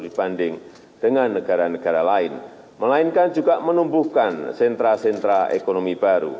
dibanding dengan negara negara lain melainkan juga menumbuhkan sentra sentra ekonomi baru